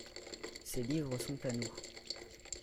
Ces livres sont à nous.